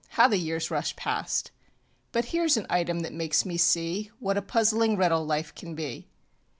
How the years rush past! But hereŌĆÖs an item that makes me see What a puzzling riddle life can be.